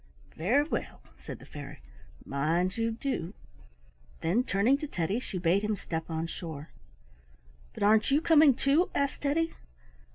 "Very well," said the fairy; "mind you do." Then turning to Teddy she bade him step on shore. "But aren't you coming too?" asked Teddy.